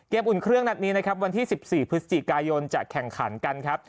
อุ่นเครื่องนัดนี้นะครับวันที่๑๔พฤศจิกายนจะแข่งขันกันครับ